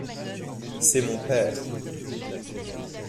C’est mon père.